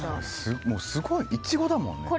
すごいイチゴだもんね。